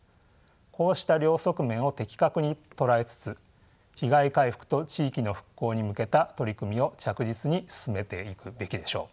こうした両側面を的確に捉えつつ被害回復と地域の復興に向けた取り組みを着実に進めていくべきでしょう。